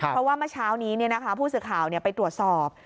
เพราะว่าเมื่อเช้านี้ผู้สื่อข่าวไปตรวจสอบ